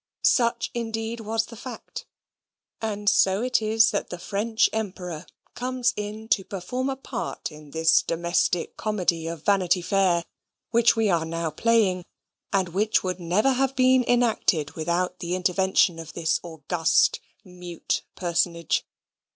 Such, indeed, was the fact; and so it is that the French Emperor comes in to perform a part in this domestic comedy of Vanity Fair which we are now playing, and which would never have been enacted without the intervention of this august mute personage.